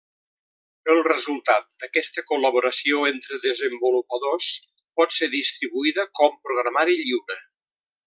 El resultat d'aquesta col·laboració entre desenvolupadors pot ser distribuïda com programari lliure.